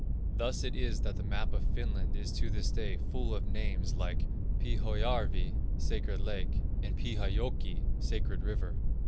Thus it is that the map of Finland is to this day full of names like Pyhäjärvi (sacred lake) and Pyhäjoki (sacred river).